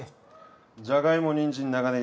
じゃがいもにんじん長ねぎ